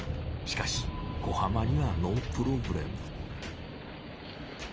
しかし小浜にはノープロブレム。